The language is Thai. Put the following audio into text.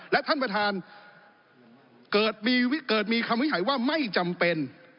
และท่านประธานเกิดมีคำวิจัยว่าไม่จำเป็น